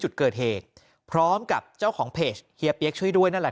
จุดเกิดเหตุพร้อมกับเจ้าของเพจเฮียเปี๊ยกช่วยด้วยนั่นแหละ